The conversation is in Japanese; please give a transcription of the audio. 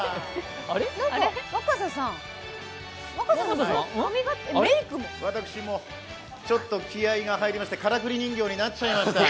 何か、若狭さんメークも私もちょっと気合いが入りましてからくり人形になっちゃいました。